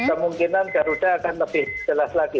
kemungkinan garuda akan lebih jelas lagi